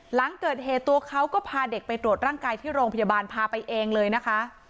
หลังเกิดเหตุตัวเขาก็พาเด็กไปตรวจร่างกายที่โรงพยาบาลพาไปเองเลยนะคะ